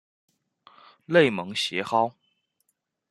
内蒙邪蒿